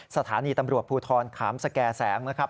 สถานีตำรวจภูทรขามสแก่แสงนะครับ